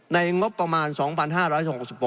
ในงบประมาณ๒๕๖๖บาท